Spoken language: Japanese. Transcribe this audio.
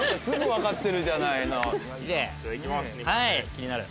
気になる。